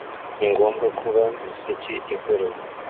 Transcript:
ni ngombwa kuba miseke igoroye